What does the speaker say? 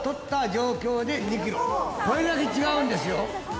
これだけ違うんですよ。